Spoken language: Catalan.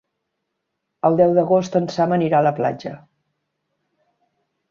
El deu d'agost en Sam anirà a la platja.